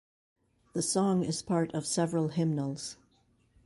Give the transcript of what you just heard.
The song is part of several hymnals.